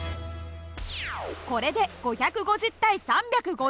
これで５５０対３５０。